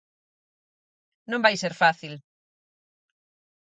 Non vai ser fácil.